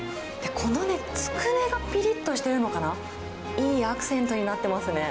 このつくねがぴりっとしてるのかな、いいアクセントになってますね。